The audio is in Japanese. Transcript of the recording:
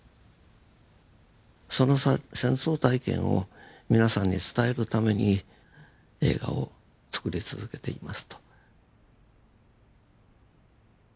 その戦争体験を皆さんに伝えるために映画をつくり続けていますと。